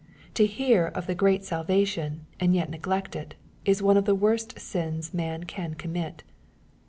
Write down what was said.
To hear of the " great salvation,'" and yet neglect it, is one of the worst sins man can commit.